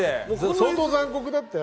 相当残酷だったよ。